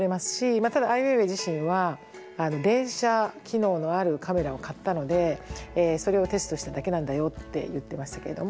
ただアイ・ウェイウェイ自身は「連写機能のあるカメラを買ったのでそれをテストしただけなんだよ」って言ってましたけども。